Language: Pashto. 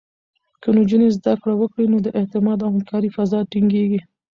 که نجونې زده کړه وکړي، نو د اعتماد او همکارۍ فضا ټینګېږي.